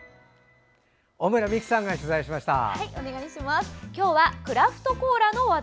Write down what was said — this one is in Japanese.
小村美記さんが取材しました。